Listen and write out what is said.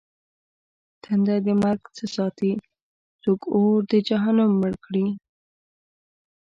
تنده د مرگ څه ساتې؟! څوک اور د جهنم مړ کړي؟!